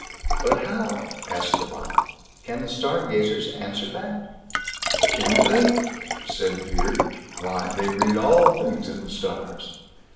"But how", asked the wife, "can the Stargazers answer that?" "Can't they?" said Peter; "why! they read all things in the stars."